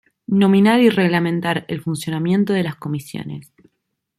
Nominar y reglamentar el funcionamiento de las Comisiones.